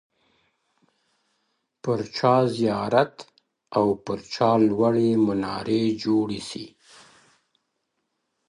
پر چا زیارت او پر چا لوړي منارې جوړي سي.!